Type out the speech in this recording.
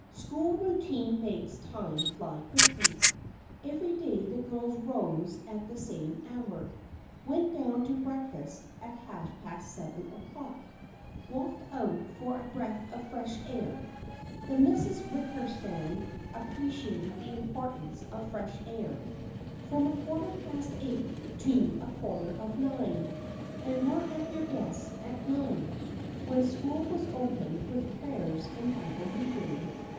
School routine makes time fly quickly. Every day the girls rose at the same hour, went down to breakfast at half past seven o'clock, walked out for a breath of fresh air (the Misses Wickersham appreciated the impor tance of fresh air) from quarter past eight to a quar ter of nine, and were at their desks at nine, when school was opened with prayers and Bible reading.